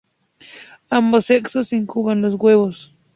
Ambos sexos incuban los huevos.